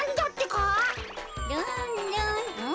ルンルンうん？